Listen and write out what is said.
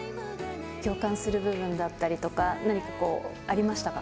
共感する部分だったりとか、何かこう、ありましたか？